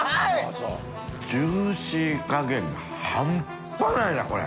ジューシー加減半端ないなこれ。